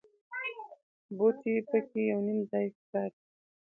بوټي په کې یو نیم ځای ښکاري.